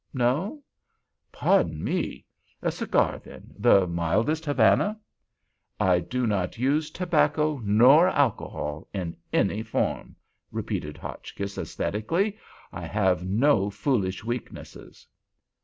No? Pardon me! A cigar, then—the mildest Havana." "I do not use tobacco nor alcohol in any form," repeated Hotchkiss, ascetically. "I have no foolish weaknesses."